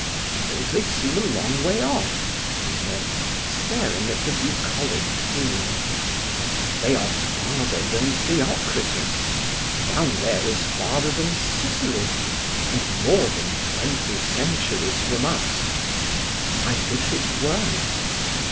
"Don't they seem a long way off?" he said, staring at the bucolic scene. "They are farther than Theocritus—down there is farther than Sicily, and more than twenty centuries from us. I wish it weren't."